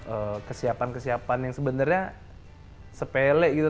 ee kesiapan kesiapan yang sebenarnya sepele gitu